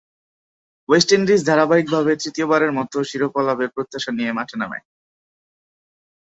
West Indies ধারাবাহিকভাবে তৃতীয়বারের মতো শিরোপা লাভের প্রত্যাশা নিয় মাঠে নামে।